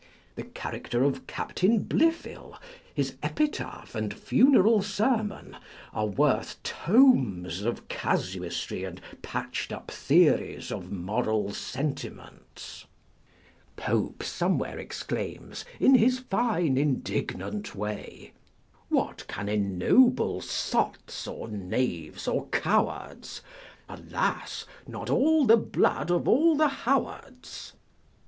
The character of Captain Blifil, his epitaph, and funeral sermon, are worth tomes of casuistry and patched up theories of moral sentiments. Pope somewhere exclaims, in his fine indignant way, What can ennoble sots, or knaves, or cowards? Alas ! not all the blood of all the Howards.